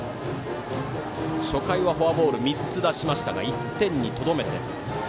初回はフォアボール３つ出しましたが１点にとどめて。